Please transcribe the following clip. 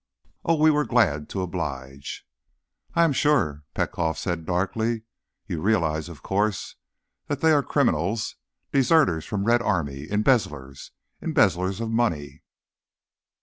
Oh, we're glad to oblige." "I am sure," Petkoff said darkly. "You realize, of course, that they are criminals? Deserters from Red Army, embezzlers. Embezzlers of money."